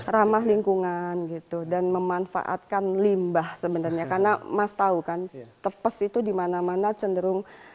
ramah lingkungan gitu dan memanfaatkan limbah sebenarnya karena mas tahu kan tepes itu dimana mana cenderung